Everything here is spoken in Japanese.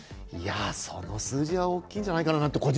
いや、その数字は大きいんじゃないかななんて